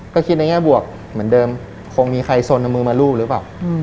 ก็คิดในแง่บวกเหมือนเดิมคงมีใครสนเอามือมารูปหรือเปล่า